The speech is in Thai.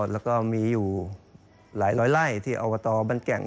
แล้วก็มีอยู่หลายร้อยไล่ที่อบตบรรแก่ง